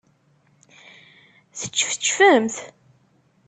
Teččefčfemt?